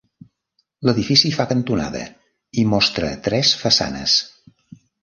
L'edifici fa cantonada i mostra tres façanes.